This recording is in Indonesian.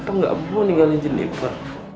papa gak mau ninggalin jeniper